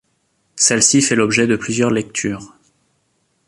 Celle-ci fait l'objet de plusieurs lectures.